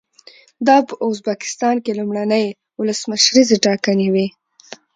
دا په ازبکستان کې لومړنۍ ولسمشریزې ټاکنې وې.